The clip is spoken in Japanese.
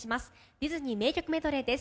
ディズニー名曲メドレーです。